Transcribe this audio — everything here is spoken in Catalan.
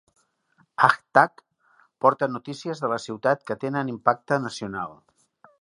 Aaj Tak porta notícies de la ciutat que tenen impacte nacional.